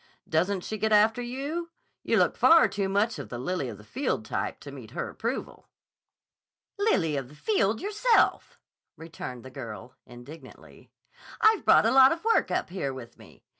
Doesn't she get after you? You look far too much of the lily of the field type to meet her approval." "Lily of the field, yourself!" returned the girl indignantly. "I've brought a lot of work up here with me.